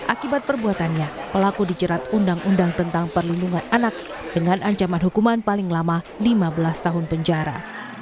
akibat perbuatannya pelaku dijerat undang undang tentang perlindungan anak dengan ancaman hukuman paling lama lima belas tahun penjara